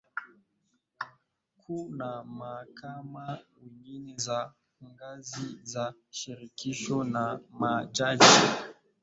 Mkuu na mahakama nyingine za ngazi za shirikisho na majaji